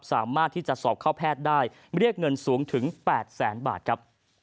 สามารถที่จะสอบเข้าแพทย์ได้เรียกเงินสูงถึง๘แสนบาทครับ